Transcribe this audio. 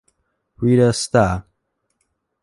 Rita - Sta.